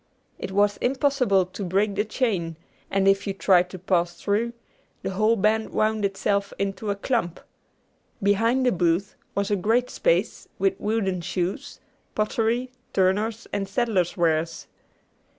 It was impossible to break the chain; and if you tried to pass through, the whole band wound itself into a clump. Behind the booth was a great space with wooden shoes, pottery, turners' and saddlers' wares.